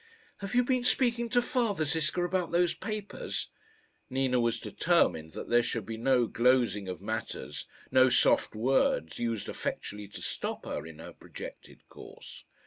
"Have you been speaking to father, Ziska, about those papers?" Nina was determined that there should be no glozing of matters, no soft words used effectually to stop her in her projected course.